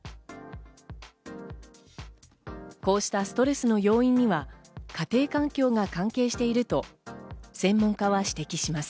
こうしたストレスの要因には、家庭環境が関係していると専門家は指摘します。